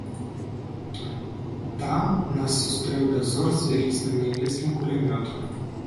Там нас сустрэў дазор з вялізным нямецкім кулямётам.